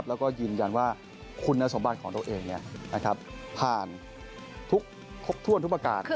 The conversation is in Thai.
แล้วก็ยืนยันว่าคุณสมบัติของตัวเองผ่านทุกครบถ้วนทุกประการ